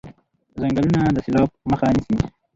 ځنګلونه د سیلاب مخه نیسي.